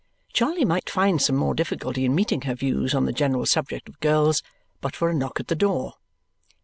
Charley might find some more difficulty in meeting her views on the general subject of girls but for a knock at the door.